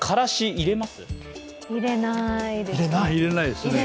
入れないですね。